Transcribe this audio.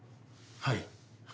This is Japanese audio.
はい。